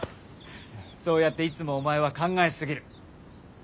そうやっていつもお前は考えすぎる。